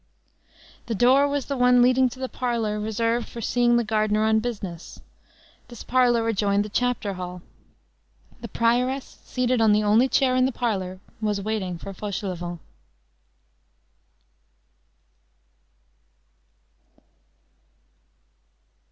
_ The door was the one leading to the parlor reserved for seeing the gardener on business. This parlor adjoined the chapter hall. The prioress, seated on the only chair in the parlor, was waiting for Fauchelevent.